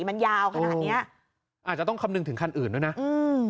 มันยาวขนาดเนี้ยอาจจะต้องคำนึงถึงคันอื่นด้วยนะอืม